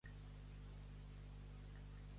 Olor de santedat.